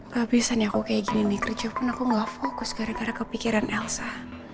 kehabisan ya aku kayak gini nih kerja pun aku gak fokus gara gara kepikiran elsa